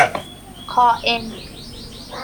قائن